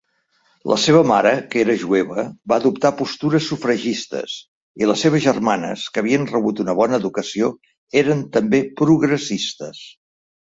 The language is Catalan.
La seva mare, que era jueva, va adoptar postures sufragistes, i les seves germanes, que havien rebut una bona educació, eren també progressistes.